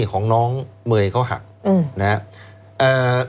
ของน้องเมย์เขาหักนะครับ